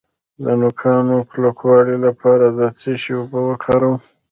د نوکانو د کلکوالي لپاره د څه شي اوبه وکاروم؟